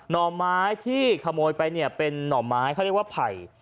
ห่อไม้ที่ขโมยไปเนี่ยเป็นหน่อไม้เขาเรียกว่าไผ่